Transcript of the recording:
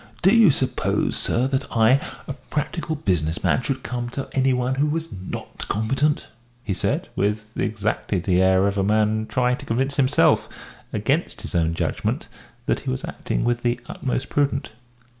Do you suppose, sir, that I, a practical business man, should come to any one who was not competent?" he said, with exactly the air of a man trying to convince himself against his own judgment that he was acting with the utmost prudence.